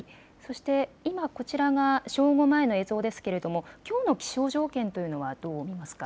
今こちらが正午前の映像ですがきょうの気象条件というのはどう見ますか。